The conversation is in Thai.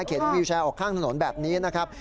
เข็นวิวแชร์ออกข้างถนนแบบนี้นะครับ